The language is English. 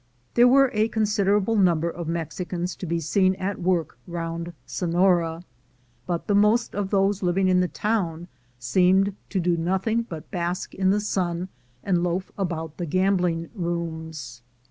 There were a considerable number of Mexicans to be seen at work round Sonora, but the most of those living in the town seemed to do nothing but bask in the sun and loaf about the gambling rooms.